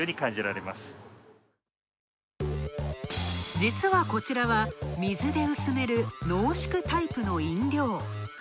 実はこちらは、水で薄める濃縮タイプの飲料。